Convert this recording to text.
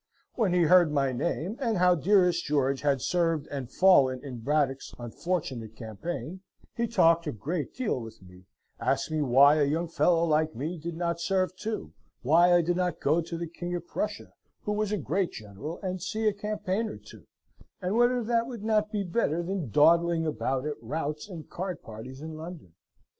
When he heard my name, and how dearest George had served and fallen in Braddock's unfortunate campaign, he talked a great deal with me; asked why a young fellow like me did not serve too; why I did not go to the King of Prussia, who was a great General, and see a campaign or two; and whether that would not be better than dawdling about at routs and card parties in London?